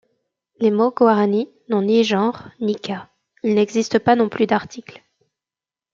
Les mots guaranis n'ont ni genre, ni cas, il n'existe pas non plus d'articles.